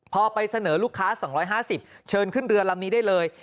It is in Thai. พอไปเสนอลูกค้า๒๕๐เชิญขึ้นเรือลำนี้ได้เลย